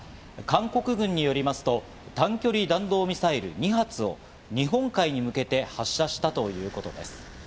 韓国軍によりますと短距離弾道ミサイル２発を日本海に向けて発射したということです。